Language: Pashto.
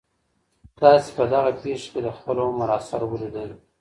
تاسي په دغه پېښي کي د خپل عمر اثر ولیدی؟